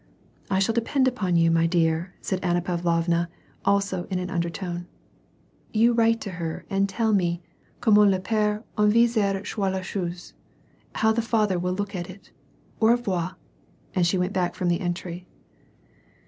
" I shall depend upon you, my dear," said Anna Pavlovna, also in an undertone. " You write to her and tell me co^m ment lepere envisage!^ la chose — how the father will look at it. Au revoirJ^ And she went back from the entry.